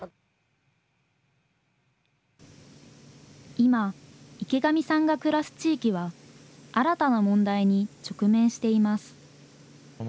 今、池上さんが暮らす地域は、新たな問題に直面しています。